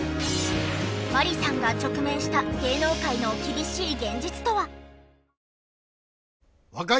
万里さんが直面した芸能界の厳しい現実とは？